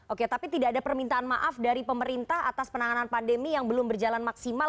oke tapi tidak ada permintaan maaf dari pemerintah atas penanganan pandemi yang belum berjalan maksimal